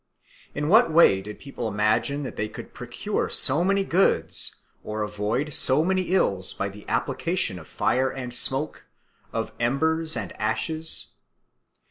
In what way did people imagine that they could procure so many goods or avoid so many ills by the application of fire and smoke, of embers and ashes?